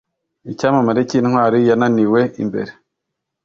Icyamamare cyintwari yananiwe imbere